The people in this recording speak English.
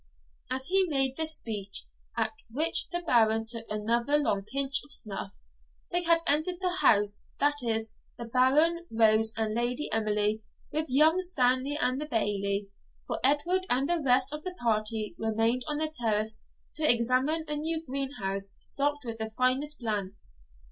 "' As he made this speech, at which the Baron took another long pinch of snuff, they had entered the house, that is, the Baron, Rose, and Lady Emily, with young Stanley and the Bailie, for Edward and the rest of the party remained on the terrace to examine a new greenhouse stocked with the finest plants.